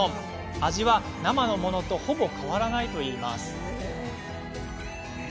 味は生のものとほぼ変わらないといいます。